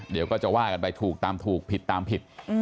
เดี๋ยวก็จะว่ากันไปถูกตามถูกผิดตามผิด